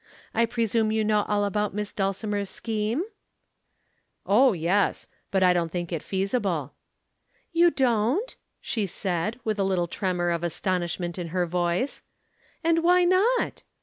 I presume you know all about Miss Dulcimer's scheme?" "Oh, yes! But I don't think it feasible." "You don't?" she said, with a little tremor of astonishment in her voice. "And why not?"